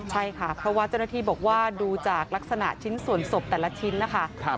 ใช่ค่ะเพราะว่าเจ้าหน้าที่บอกว่าดูจากลักษณะชิ้นส่วนศพแต่ละชิ้นนะคะ